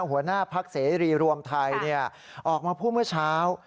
หัวหน้าพักเสรีรวมไทยออกมาพูดเมื่อเช้า